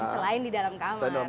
selain di dalam kamar